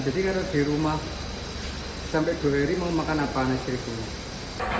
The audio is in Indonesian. jadi kalau di rumah sampai dua hari mau makan apaan saya pilih